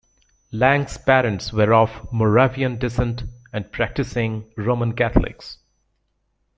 Lang's parents were of Moravian descent and practicing Roman Catholics.